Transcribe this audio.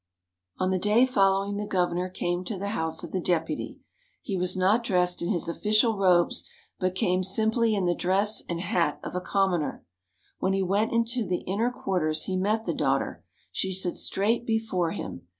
On the day following the Governor came to the house of the Deputy. He was not dressed in his official robes, but came simply in the dress and hat of a commoner. When he went into the inner quarters he met the daughter; she stood straight before him.